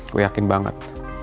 gue yakin banget